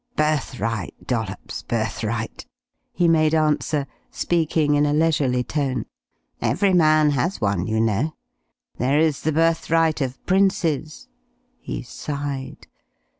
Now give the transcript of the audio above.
"Birthright, Dollops, birthright!" he made answer, speaking in a leisurely tone. "Every man has one, you know. There is the birthright of princes " he sighed.